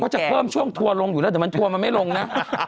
จะเพิ่มช่วงทัวร์ลงอยู่แล้วแต่มันทัวร์มันไม่ลงนะ